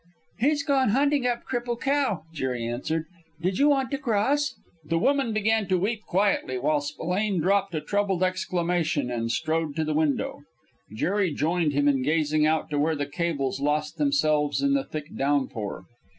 "He's gone hunting up Cripple Cow," Jerry answered. "Did you want to cross?" The woman began to weep quietly, while Spillane dropped a troubled exclamation and strode to the window. Jerry joined him in gazing out to where the cables lost themselves in the thick downpour.